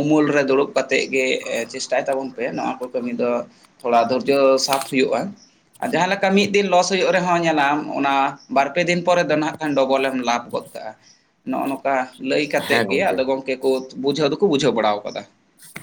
ᱩᱢᱩᱞ ᱨᱮ ᱫᱩᱲᱩᱵ ᱠᱟᱛᱮᱫ ᱜᱮ ᱪᱮᱥᱴᱟᱭ ᱛᱟᱵᱚᱱ ᱯᱮ ᱱᱚᱣᱟ ᱠᱚ ᱠᱟᱹᱢᱤ ᱫᱚ ᱾ ᱛᱷᱚᱲᱟ ᱫᱷᱳᱨᱡᱳ ᱥᱟᱵ ᱦᱩᱭᱩᱜ ᱟ ᱟᱨ ᱡᱟᱦᱟ ᱞᱮᱠᱟ ᱢᱤᱫ ᱾ ᱞᱚᱥ ᱦᱩᱭᱩᱜ ᱨᱮᱦᱚ ᱧᱮᱞᱟᱢ ᱚᱱᱟ ᱵᱟᱨ ᱯᱮ ᱫᱤᱱ ᱯᱚᱨᱮ ᱫᱚ ᱱᱟᱦᱟᱜ ᱠᱷᱟᱱ ᱰᱚᱵᱚᱞᱮᱢ ᱞᱟᱵᱷ ᱜᱚᱫ ᱠᱟᱜ ᱟ ᱾ ᱱᱚᱜ ᱚ ᱱᱚᱝᱠᱟ ᱞᱟᱹᱭ ᱠᱟᱛᱮᱫ ᱦᱮᱸ ᱜᱮ ᱜᱚᱢᱠᱮ ᱟᱫᱚ ᱜᱚᱝᱠᱮ ᱠᱚ ᱵᱩᱡᱷᱟᱹᱣ ᱫᱚᱠᱚ ᱵᱩᱡᱷᱟᱹᱣ ᱵᱟᱲᱟ ᱟᱠᱟᱫᱟ ᱾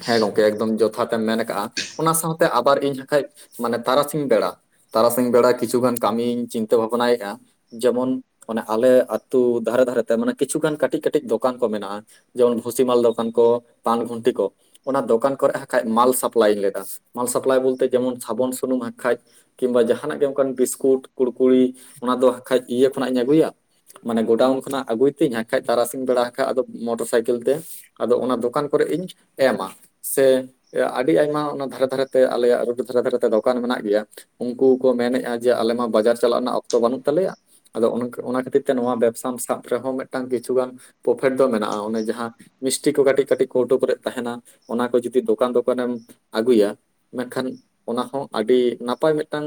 ᱦᱮᱸ ᱜᱚᱝ ᱮᱠᱫᱚᱢ ᱡᱚᱛᱷᱟᱛ ᱮᱢ ᱢᱮᱱ ᱠᱟᱜ ᱟ ᱚᱱᱟ ᱥᱟᱶᱛᱮ ᱟᱵᱟᱨ ᱤᱧ ᱦᱟᱜᱠᱷᱟᱡ ᱢᱟᱱᱮ ᱛᱟᱨᱟᱥᱤᱧ ᱵᱮᱲᱟ ᱾ ᱛᱟᱨᱟᱥᱤᱧ ᱵᱮᱲᱟ ᱠᱤᱪᱷᱩ ᱜᱟᱱ ᱠᱟᱹᱢᱤᱧ ᱪᱤᱱᱛᱟᱹ ᱵᱷᱟᱵᱱᱟᱭᱮᱫ ᱟ ᱾ ᱡᱮᱢᱚᱱ ᱚᱱᱮ ᱟᱞᱮ ᱟᱹᱛᱩ ᱫᱷᱟᱨᱮ ᱫᱷᱟᱨᱮᱛᱮ ᱢᱟᱱᱮ ᱠᱤᱪᱷᱩᱜᱟᱱ ᱠᱟᱹᱴᱤᱡ ᱠᱟᱹᱴᱤᱡ ᱫᱚᱠᱟᱱ ᱠᱚ ᱢᱮᱱᱟᱜ ᱟ ᱾ ᱡᱮᱢᱚᱱ ᱵᱷᱩᱥᱤᱢᱟᱞ ᱫᱚᱠᱟᱱ ᱠᱚ ᱯᱟᱱ ᱜᱩᱱᱴᱤ ᱠᱚ ᱾ ᱚᱱᱟ ᱫᱚᱠᱟᱱ ᱠᱚᱨᱮ ᱦᱟᱸᱜᱠᱷᱟᱡ ᱢᱟᱞ ᱥᱟᱯᱞᱟᱭ ᱦᱚᱭᱳᱜ ᱟ ᱢᱟᱞ ᱥᱟᱯᱞᱟᱭ ᱵᱚᱞᱛᱮ ᱡᱮᱢᱚᱱ ᱥᱟᱵᱚᱱ ᱥᱩᱱᱩᱢ ᱦᱟᱸᱜᱠᱷᱟᱡ ᱾ ᱠᱤᱱᱵᱟ ᱡᱟᱦᱟᱱᱟᱜ ᱜᱮ ᱚᱱᱠᱟ ᱵᱤᱥᱠᱩᱴ ᱠᱩᱲᱠᱩᱲᱤ ᱚᱱᱟ ᱫᱚ ᱦᱟᱜᱠᱷᱟᱡ ᱤᱭᱟᱹ ᱠᱷᱚᱱᱟᱜ ᱤᱧ ᱟᱹᱜᱩᱭᱟ ᱾ ᱢᱟᱱᱮ ᱜᱚᱰᱟᱣᱩᱱ ᱠᱷᱚᱱᱟᱜ ᱟᱜᱩᱭ ᱛᱤᱧ ᱦᱟᱜᱠᱷᱟᱡ ᱛᱟᱨᱟᱥᱤᱧ ᱵᱮᱲᱟ ᱠᱟᱜ ᱟᱫᱚ ᱢᱚᱴᱚᱨ ᱥᱟᱭᱠᱮᱞ ᱛᱮ ᱟᱫᱚ ᱚᱱᱟ ᱫᱚᱠᱟᱱ ᱠᱚᱨᱮ ᱤᱧᱡ ᱮᱢᱟ ᱥᱮ ᱟᱹᱰᱤ ᱟᱭᱢᱟ ᱚᱱᱟ ᱫᱷᱟᱨᱮ ᱫᱷᱟᱨᱮ ᱛᱮ ᱟᱞᱮᱭᱟᱜ ᱨᱳᱴ ᱫᱷᱟᱨᱮ ᱫᱷᱟᱨᱮ ᱛᱮ ᱫᱚᱠᱟᱱ ᱢᱮᱱᱟᱜ ᱜᱮᱭᱟ ᱾ ᱩᱱᱠᱩ ᱠᱚ ᱢᱮᱱᱮᱜ ᱟ ᱡᱮ ᱟᱞᱮᱢᱟ ᱵᱟᱡᱟᱨ ᱪᱟᱞᱟᱜ ᱨᱮᱱᱟᱜ ᱚᱠᱛᱚ ᱵᱟᱱᱩᱜ ᱛᱟᱞᱮᱭᱟ ᱾ ᱟᱫᱚ ᱚᱱᱟ ᱠᱷᱟᱛᱤᱨ ᱛᱮ ᱱᱚᱣᱟ ᱵᱮᱯᱥᱟᱢ ᱥᱟᱵ ᱨᱮᱦᱚ ᱢᱮᱫᱴᱟᱝ ᱠᱤᱪᱷᱩᱜᱟᱱ ᱯᱨᱚᱯᱷᱮᱴ ᱫᱚ ᱢᱮᱱᱟᱜ ᱟ ᱚᱱᱮ ᱡᱟᱦᱟ ᱢᱤᱥᱴᱤ ᱠᱚ ᱠᱟᱴᱤᱡ ᱠᱟᱴᱤᱡ ᱠᱳᱣᱴᱳ ᱠᱚᱨᱮᱜ ᱛᱟᱦᱮᱱᱟ ᱚᱱᱟ ᱠᱚ ᱡᱩᱫᱤ ᱫᱚᱠᱟᱱ ᱫᱚᱠᱟᱱ ᱮᱢ ᱟᱜᱩᱭᱟ ᱾ ᱢᱮᱱᱠᱷᱟᱱ ᱚᱱᱟ ᱦᱚᱸ ᱟᱰᱤ ᱱᱟᱯᱟᱭ ᱢᱮᱫᱴᱟᱝ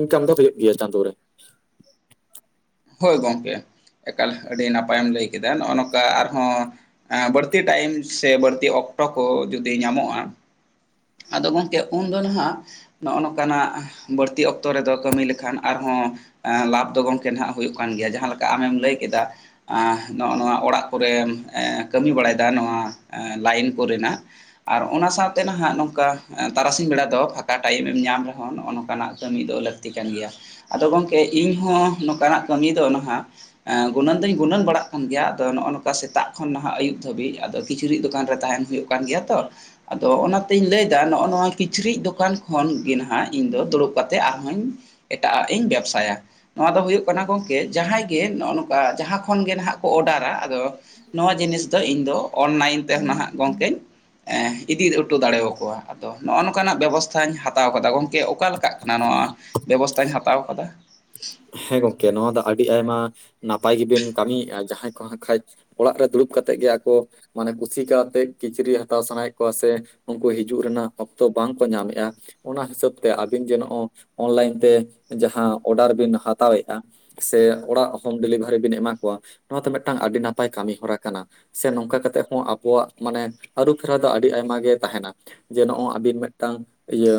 ᱤᱱᱠᱟᱢ ᱫᱚ ᱦᱳᱭᱳᱜ ᱜᱮᱭᱟ ᱪᱟᱸᱫᱳ ᱨᱮ ᱾ ᱦᱳᱭ ᱜᱚᱝᱠᱮ ᱮᱠᱟᱞ ᱟᱹᱰᱤ ᱱᱟᱯᱟᱭᱮᱢ ᱞᱟᱹᱭ ᱠᱮᱫᱟ ᱱᱚᱜ ᱚ ᱱᱚᱝᱠᱟ ᱟᱨᱦᱚᱸ ᱮᱸᱻ ᱵᱟᱹᱲᱛᱤ ᱴᱟᱭᱤᱢ ᱥᱮ ᱵᱟᱹᱲᱛᱤ ᱚᱠᱴᱚ ᱠᱚ ᱡᱩᱫᱤ ᱧᱟᱢᱚᱜ ᱟ ᱾ ᱟᱫᱚ ᱜᱚᱝᱠᱮ ᱩᱱ ᱫᱚ ᱱᱟᱦᱟᱜ ᱾ ᱱᱚᱜ ᱚ ᱱᱚᱝᱠᱟᱱᱟᱜ ᱵᱟᱹᱲᱛᱤ ᱚᱠᱛᱚ ᱨᱮᱫᱚ ᱠᱟᱹᱢᱤ ᱞᱮᱠᱷᱟᱱ ᱟᱨᱦᱚᱸ ᱾ ᱞᱟᱵᱷ ᱫᱚ ᱜᱚᱝᱠᱮ ᱱᱟᱦᱟᱸᱜ ᱦᱩᱭᱩᱜ ᱠᱟᱱ ᱜᱮᱭᱟ ᱡᱟᱦᱟ ᱞᱮᱠᱟ ᱟᱢᱮᱢ ᱞᱟᱹᱭ ᱠᱮᱫᱟ ᱾ ᱟᱸ ᱱᱚᱜ ᱚ ᱱᱚᱣᱟ ᱚᱲᱟᱜ ᱠᱚᱨᱮᱢ ᱠᱟᱹᱢᱤ ᱵᱟᱲᱟᱭ ᱫᱟ ᱱᱚᱣᱟ ᱞᱟᱭᱤᱱ ᱠᱚᱨᱮ ᱱᱟᱜ ᱾ ᱟᱨ ᱚᱱᱟ ᱥᱟᱶ ᱛᱮ ᱱᱟᱜ ᱦᱟᱸᱜ ᱱᱚᱝᱠᱟ ᱛᱟᱨᱟᱥᱤᱧ ᱵᱮᱲᱟ ᱫᱚ ᱯᱷᱟᱸᱠᱟ ᱴᱟᱭᱤᱢ ᱮᱢ ᱧᱟᱢ ᱨᱮᱦᱚᱸ ᱱᱚᱜᱼᱚ ᱱᱚᱝᱠᱟᱱᱟᱜ ᱠᱟᱹᱢᱤ ᱫᱚ ᱞᱟᱹᱠᱛᱤ ᱠᱟᱱ ᱜᱮᱭᱟ ᱾ ᱟᱫᱚ ᱜᱚᱝᱠᱮ ᱤᱧᱦᱚᱸ ᱱᱚᱝᱠᱟ ᱱᱟᱜ ᱠᱟᱹᱢᱤ ᱫᱚ ᱱᱟᱦᱟᱜ ᱟᱸ ᱜᱩᱱᱟᱹᱱ ᱫᱚᱧ ᱜᱩᱱᱟᱹᱱ ᱵᱟᱲᱟᱜ ᱠᱟᱱ ᱜᱮᱭᱟ ᱟᱫᱚ ᱱᱚᱜᱼᱚ ᱱᱚᱝᱠᱟ ᱥᱮᱛᱟᱜ ᱠᱷᱚᱱ ᱱᱟᱦᱟᱜ ᱟᱹᱭᱩᱵ ᱫᱷᱟᱹᱵᱤᱡ ᱟᱫᱚ ᱠᱤᱪᱨᱤᱡ ᱫᱚᱠᱟᱱ ᱨᱮ ᱛᱟᱸᱦᱮᱱ ᱦᱩᱭᱩᱜ ᱼᱼ ᱠᱟᱱ ᱜᱮᱭᱟ ᱛᱚ ᱟᱫᱚ ᱚᱱᱟ ᱼᱼ ᱛᱮᱧ ᱞᱟᱹᱭ ᱫᱟ ᱱᱚᱜᱼᱚ ᱱᱚᱣᱟ ᱠᱤᱪᱨᱤᱡ ᱫᱚᱠᱟᱱ ᱠᱷᱚᱱ ᱜᱮ ᱱᱟᱦᱟᱜ ᱤᱧ ᱫᱚ ᱫᱩᱲᱩᱵ ᱠᱟᱛᱮ ᱟᱨᱦᱚᱸᱧ ᱼᱼ ᱮᱴᱟᱜᱼᱟᱜ ᱤᱧ ᱵᱮᱵᱥᱟᱭᱟ ᱾ ᱱᱚᱣᱟ ᱫᱚ ᱦᱩᱭᱩᱜ ᱠᱟᱱᱟ ᱜᱚᱝᱠᱮ ᱡᱟᱦᱟᱸᱭ ᱜᱮ ᱱᱚᱜᱼᱚ ᱱᱚᱝᱠᱟ ᱡᱟᱦᱟᱸ ᱠᱷᱚᱱ ᱜᱮ ᱱᱟᱦᱟᱜ ᱠᱚ ᱚᱰᱟᱨᱟ ᱼᱼ ᱟᱫᱚ ᱱᱚᱣᱟ ᱡᱤᱱᱤᱥ ᱫᱚ ᱤᱧ ᱫᱚ ᱚᱱᱞᱟᱭᱤᱱ ᱛᱮᱦᱚᱸ ᱱᱟᱦᱟᱜ ᱜᱚᱝᱠᱮᱧ ᱤᱫᱤᱼᱼ ᱫᱟᱲᱮᱣᱟ ᱠᱚᱣᱟ ᱟᱫᱚ ᱱᱚᱜᱼᱚ ᱱᱚᱝᱱᱟᱜ ᱵᱮᱵᱚᱥᱛᱷᱟᱧ ᱦᱟᱛᱟᱣ ᱟᱠᱟᱫᱟ ᱜᱚᱝᱠᱮ ᱚᱠᱟᱞᱮ ᱞᱮᱠ ᱦᱟᱱᱟ ᱱᱚᱣᱟ ᱵᱮᱵᱚᱥᱛᱟᱧ ᱦᱟᱛᱟᱣ ᱟᱠᱟᱫᱟ ᱾ ᱦᱮᱸ ᱜᱚᱝᱠᱮ ᱱᱚᱣᱟ ᱫᱚ ᱟᱰᱤ ᱟᱭᱢᱟ ᱱᱟᱯᱟᱭ ᱜᱮ ᱵᱤᱱ ᱠᱟᱹᱢᱤᱭᱮᱜᱼᱟ ᱡᱟᱦᱟᱸᱭ ᱠᱚ ᱦᱟᱜᱠᱷᱟᱡ ᱚᱲᱟᱜ ᱨᱮ ᱫᱩᱲᱩᱵ ᱠᱟᱛᱮᱫ ᱜᱮ ᱟᱠᱚ ᱢᱟᱱᱮ ᱠᱩᱥᱤ ᱠᱟᱛᱮ ᱠᱤᱪᱨᱤᱡ ᱦᱟᱛᱟᱣ ᱥᱟᱱᱟᱭᱮᱫ ᱠᱚᱣᱟ ᱥᱮ ᱼᱼ ᱩᱱᱠᱩ ᱦᱤᱡᱩᱜ ᱨᱮᱱᱟᱜ ᱚᱠᱛᱚ ᱵᱟᱝᱠᱚ ᱧᱟᱢᱮᱫᱼᱟ ᱚᱱᱟ ᱦᱤᱥᱟᱹᱵ ᱛᱮ ᱟᱵᱤᱱ ᱡᱮ ᱱᱚᱜ-ᱚᱭ ᱚᱱᱞᱟᱭᱤᱱ ᱛᱮ ᱡᱟᱦᱟᱸ ᱚᱰᱟᱨ ᱵᱤᱱ ᱦᱟᱛ ᱦᱟᱛᱟᱣᱮᱜᱼᱟ ᱥᱮ ᱚᱲᱟᱜ ᱦᱳᱢ ᱰᱮᱞᱤᱵᱷᱟᱨᱤ ᱵᱤᱱ ᱮᱢᱟ ᱠᱚᱣᱟ ᱱᱚᱣᱟ ᱫᱚ ᱢᱤᱫᱴᱟᱝ ᱟᱰᱤ ᱱᱟᱯᱟᱭ ᱠᱟᱢᱤ ᱦᱚᱨᱟ ᱠᱟᱱᱟ ᱥᱮ ᱱᱚᱝᱠᱟ ᱠᱟᱛᱮᱜ ᱦᱚᱸ ᱟᱵᱚᱣᱟᱜ ᱢᱟᱱᱮ ᱟᱹᱨᱩ ᱯᱷᱮᱨᱟᱣ ᱫᱚ ᱟᱹᱰᱤ ᱟᱭᱢᱟ ᱜᱮ ᱛᱟᱸᱦᱮᱱᱟ ᱡᱮ ᱱᱚᱜᱼᱚᱭ ᱟᱵᱤᱱ ᱢᱤᱫᱴᱟᱝ ᱤᱭᱟᱹ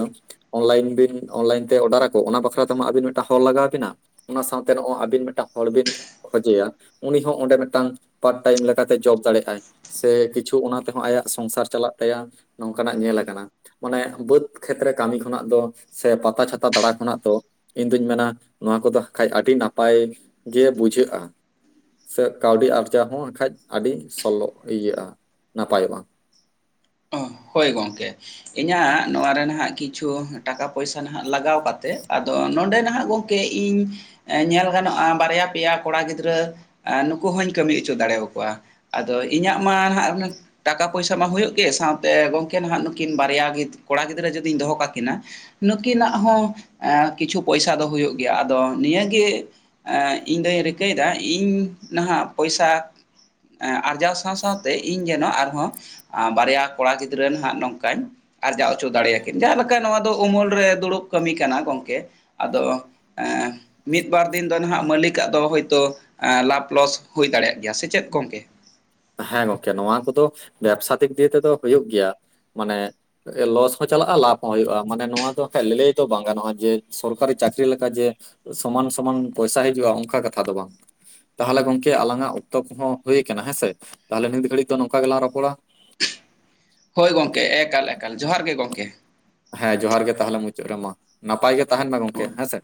ᱚᱱᱞᱟᱭᱤᱱ ᱵᱤᱱ ᱚᱱᱞᱟᱭᱤᱱ ᱛᱮ ᱚᱰᱟᱨ ᱟᱠᱚ ᱚᱱᱟ ᱵᱟᱠᱷᱨᱟ ᱛᱮᱢᱟ ᱟᱵᱤᱱ ᱢᱤᱫᱴᱟᱝ ᱦᱚᱲ ᱞᱟᱜᱟᱣ ᱵᱤᱱᱟ ᱚᱱᱟ ᱥᱟᱶᱛᱮ ᱱᱚᱜᱼᱚ ᱟᱵᱤᱱ ᱢᱤᱫᱴᱟᱝ ᱦᱚᱲ ᱵᱤᱱ ᱠᱷᱚᱡᱮᱭᱟ ᱩᱱᱤ ᱦᱚᱸ ᱚᱸᱰᱮ ᱢᱮᱜᱴᱟᱝ ᱯᱟᱨᱴ ᱴᱟᱭᱤᱢ ᱞᱮᱠᱟ ᱛᱮ ᱡᱚᱵ ᱫᱟᱲᱮᱭᱟᱜ ᱟᱭ ᱥᱮ ᱠᱤᱪᱷᱩ ᱚᱱᱟ ᱛᱮᱦᱚᱸ ᱟᱭᱟᱜ ᱥᱚᱝᱥᱟᱨ ᱪᱟᱞᱟᱜ ᱛᱟᱭᱟ ᱱᱚᱝᱠᱟᱱᱟᱜ ᱧᱮᱞ ᱟᱠᱟᱱᱟ ᱢᱟᱱᱮ ᱵᱟᱹᱫᱽ ᱠᱷᱮᱛ ᱨᱮ ᱠᱟᱹᱢᱤ ᱠᱷᱚᱱᱟᱜ ᱫᱚ ᱥᱮ ᱯᱟᱛᱟ ᱪᱷᱟᱛᱟ ᱫᱟᱬᱟ ᱠᱷᱚᱱᱟᱜ ᱫᱚ ᱤᱧᱫᱩᱧ ᱢᱮᱱᱟ ᱱᱚᱣᱟ ᱠᱚᱫᱚ ᱟᱠᱷᱟᱡ ᱟᱰᱤ ᱱᱟᱯᱟᱭ ᱜᱮ ᱵᱩᱡᱷᱟᱹᱜᱼᱟ ᱥᱮ ᱠᱟᱹᱣᱰᱤ ᱟᱨᱡᱟᱣ ᱦᱚᱸ ᱱᱟᱠᱷᱟᱡ ᱟᱰᱤ ᱥᱚᱞᱳ ᱤᱭᱟᱹᱜᱼᱟ ᱱᱟᱯᱟᱭᱚᱜ-ᱟ ᱚ, ᱦᱳᱭ ᱜᱚᱝᱠᱮ ᱤᱧᱟᱹᱜ ᱱᱚᱣᱟ ᱨᱮ ᱱᱟᱦᱟᱜ ᱠᱤᱪᱷᱩ ᱴᱟᱠᱟ ᱯᱚᱭᱥᱟ ᱱᱟᱦᱟᱜ ᱞᱟᱜᱟᱣ ᱠᱟᱛᱮᱜ ᱟᱫᱚ ᱱᱚᱸᱰᱮ ᱱᱟᱦᱱᱟᱜ ᱜᱚᱝᱠᱮ ᱠᱮ ᱤᱧ ᱧᱮᱞ ᱜᱟᱱᱚᱜᱼᱟ ᱵᱟᱨᱭᱟ ᱯᱮᱭᱟ ᱠᱚᱲᱟ ᱜᱤᱫᱽᱨᱟᱹ ᱟ ᱱᱩᱠᱩ ᱦᱚᱸᱧ ᱠᱟᱹᱢᱤ ᱦᱚᱪᱚ ᱫᱟᱲᱮᱭᱟ ᱠᱚᱣᱟ ᱟᱫᱚ ᱤᱧᱟᱹᱜ ᱢᱟ ᱦᱟᱜ ᱴᱟᱠᱟ ᱯᱚᱭᱥᱟ ᱢᱟ ᱦᱩᱭᱩᱜ ᱜᱮ ᱥᱟᱶᱛᱮ ᱜᱚᱝᱠᱮ ᱱᱟᱦᱟᱜ ᱱᱩᱠᱤᱱ ᱵᱟᱨᱭᱟ ᱜᱤᱫᱽ ᱠᱚᱲᱟ ᱜᱤᱫᱽᱨᱟᱹ ᱡᱩᱫᱤᱧ ᱫᱚᱦᱚ ᱠᱟᱠᱤᱱᱟ ᱱᱩᱠᱤᱱᱟᱜ ᱦᱚᱸ ᱟᱸ ᱠᱤᱪᱷᱩ ᱯᱚᱭᱥᱟ ᱫᱚ ᱦᱳᱭᱳᱜ ᱜᱮᱭᱟ ᱟᱫᱚ ᱱᱤᱭᱟᱹᱜᱮ ᱤᱧᱫᱚᱧ ᱨᱤᱠᱟᱹᱭᱮᱫᱟ ᱤᱧ ᱱᱟᱦᱟᱜ ᱯᱚᱭᱥᱟ ᱟᱨᱡᱟᱣ ᱥᱟᱶ ᱥᱟᱶ ᱛᱮ ᱤᱧ ᱡᱮᱱᱚ ᱟᱨᱦᱚᱸ ᱵᱟᱨᱭᱟ ᱠᱚᱲᱟ ᱜᱤᱼᱼ ᱫᱽᱨᱟᱹ ᱦᱟᱸᱜ ᱱᱚᱝᱠᱟᱧ ᱟᱨᱡᱟᱣ ᱚᱪᱚ ᱫᱟᱲᱮᱭᱟᱠᱤᱱ ᱡᱟᱦᱟᱸ ᱞᱮᱠᱟ ᱚᱱᱠᱟ ᱱᱚᱣᱟ ᱫᱚ ᱩᱢᱩᱞ ᱨᱮ ᱫᱩᱲᱩᱵ ᱠᱟᱹᱢᱤ ᱠᱟᱱᱟ ᱜᱚᱢᱠᱮ ᱟᱫᱚ ᱮᱸ ᱢᱤᱫᱵᱟᱨ ᱫᱤᱱ ᱫᱚ ᱱᱟᱦᱟᱜ ᱢᱟᱹᱞᱤᱠᱟᱜ ᱫᱚ ᱦᱳᱭᱛᱳ ᱞᱟᱵᱷ ᱞᱚᱥ ᱦᱩᱭ ᱫᱟᱲᱮᱭᱟᱜ ᱜᱮᱭᱟ ᱥᱮ ᱪᱮᱫ ᱜᱚᱝᱠᱮ ᱦᱮᱸ ᱜᱚᱝᱠᱮ ᱱᱚᱣᱟ ᱠᱚᱫᱚ ᱵᱮᱵᱥᱟ ᱫᱤᱠ ᱫᱤᱭᱮ ᱛᱮᱫᱚ ᱦᱩᱭᱩᱜ ᱜᱮᱭᱟ ᱢᱟᱱᱮ ᱞᱚᱥ ᱦᱚᱸ ᱪᱟᱞᱟᱜᱼᱟ ᱞᱟᱵᱷ ᱦᱚᱸ ᱦᱩᱭᱩᱜᱼᱟ ᱢᱟᱱᱮ ᱱᱚᱣᱟ ᱫᱚ ᱠᱷᱟᱡ ᱞᱟᱹ ᱞᱟᱹᱭ ᱫᱚ ᱵᱟᱝ ᱜᱟᱱᱚᱜᱼᱟ ᱡᱮ ᱥᱚᱨᱠᱟᱨᱤ ᱪᱟᱹᱠᱨᱤ ᱞᱮᱠᱟ ᱡᱮ ᱥᱚᱢᱟᱱ ᱥᱚᱢᱟᱱ ᱯᱚᱭᱥᱟ ᱦᱤᱡᱩᱜᱼᱟ ᱚᱱᱠᱟ ᱠᱟᱛᱷᱟ ᱫᱚ ᱵᱟᱝ ᱛᱟᱦᱚᱞᱮ ᱜᱚᱝᱠᱮ ᱟᱞᱟᱝᱟᱜ ᱚᱠᱛᱚᱵ ᱠᱚ ᱦᱚᱸᱚᱸ ᱦᱩᱭᱟᱠᱟᱱᱟ ᱦᱮᱸᱥᱮ ᱛᱟᱦᱞᱮ ᱱᱤᱛ ᱜᱷᱟᱹᱲᱤᱡ ᱫᱚ ᱱᱚᱝᱠᱟ ᱜᱮᱞᱟᱝ ᱨᱚᱯᱚᱲᱟ ᱦᱳᱭ ᱜᱚᱢᱠᱮ ᱮᱠᱟᱞ ᱮᱠᱟᱞ ᱡᱚᱦᱟᱨ ᱜᱮ ᱜᱚᱝᱠᱮ ᱦᱮᱸ ᱡᱚᱦᱟᱨ ᱜᱮ ᱛᱟᱦᱚᱞᱮ ᱢᱩᱪᱟᱹᱫ ᱨᱮᱢᱟ ᱱᱟᱯᱟᱭ ᱜᱮ ᱛᱟᱦᱮᱱ ᱢᱟ ᱜᱚᱢᱠᱮ ᱦᱳᱭ ᱦᱮᱸ ᱥᱮᱫ